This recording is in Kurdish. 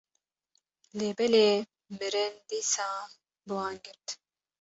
lêbelê mirin dîsa bi wan girt.